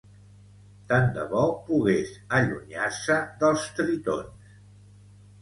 Tant de bo pogués allunyar-se dels tritons.